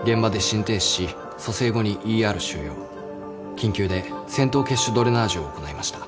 緊急で穿頭血腫ドレナージを行いました。